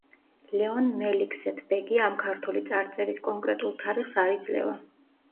ლეონ მელიქსეთ-ბეგი ამ ქართული წარწერის კონკრეტულ თარიღს არ იძლევა.